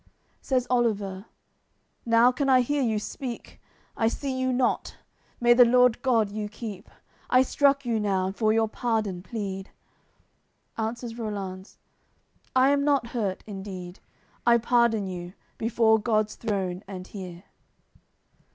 Says Oliver: "Now can I hear you speak; I see you not: may the Lord God you keep! I struck you now: and for your pardon plead." Answers Rollanz: "I am not hurt, indeed; I pardon you, before God's Throne and here."